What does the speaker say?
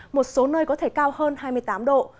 một số nơi có thể cao hơn hai mươi tám độ